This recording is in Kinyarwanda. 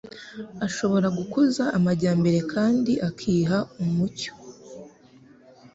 ashobora gukuza amajyambere kandi akiha umucyo;